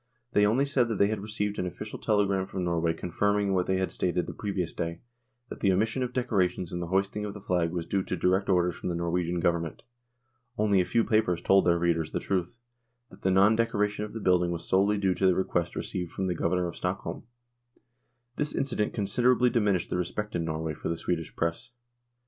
They only said that they had received an official telegram from Norway confirming what they had stated the previous day, that the omission of decorations and the hoisting of the flag was due to direct orders from the Norwegian Govern ment. Only a few papers told their readers the truth, that the non decoration of the building was solely due to the request received from the Governor of Stockholm. This incident considerably diminished the respect in Norway for the Swedish Press.